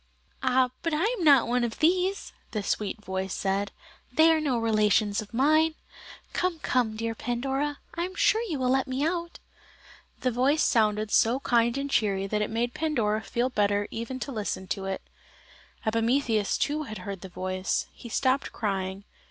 "Ah, but I am not one of these," the sweet voice said, "they are no relations of mine. Come, come, dear Pandora, I am sure you will let me out." The voice sounded so kind and cheery that it made Pandora feel better even to listen to it. Epimetheus too had heard the voice. He stopped crying.